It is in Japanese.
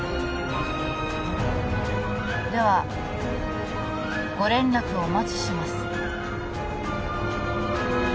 ではご連絡をお待ちします